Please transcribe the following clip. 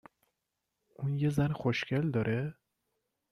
اون یه زن خوشکل داره؟